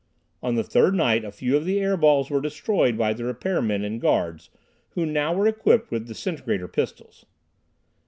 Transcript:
On the third night a few of the air balls were destroyed by the repair men and guards, who now were equipped with disintegrator pistols.